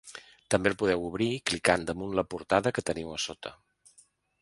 També el podeu obrir clicant damunt la portada que teniu a sota.